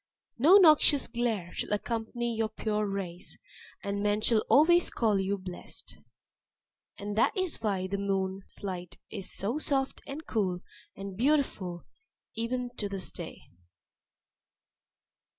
No noxious glare shall accompany your pure rays, and men shall always call you 'blessed.'" (And that is why the moon's light is so soft, and cool, and beautiful even to this day.)